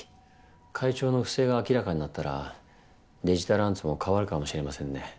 会長の不正が明らかになったらデジタルアンツも変わるかもしれませんね。